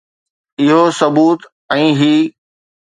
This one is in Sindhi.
اهو ثبوت ۽ هي.